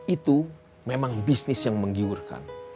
itu memang bisnis yang menggiurkan